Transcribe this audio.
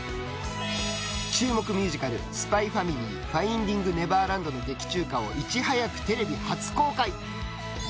注目ミュージカル「ＳＰＹ×ＦＡＭＩＬＹ」「ファインディング・ネバーランド」の劇中歌をいち早くテレビ初公開。